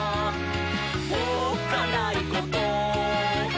「おっかないこと？」